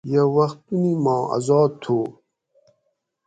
یہ وختونی ما آذاد تھو